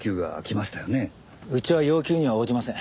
うちは要求には応じません。